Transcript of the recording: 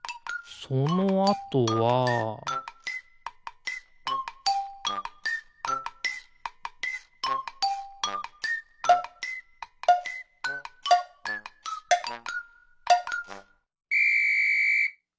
そのあとはピッ！